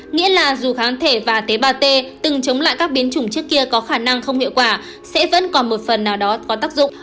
nghĩa là dù kháng thể và tế bào t từng chống lại các biến chủng trước kia có khả năng không hiệu quả sẽ vẫn còn một phần nào đó có tác dụng